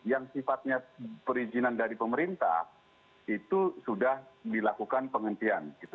yang sifatnya perizinan dari pemerintah itu sudah dilakukan penghentian